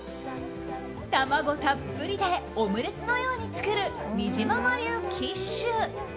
卵たっぷりでオムレツのように作るにじまま流キッシュ。